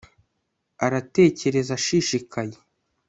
aratekereza ashishikaye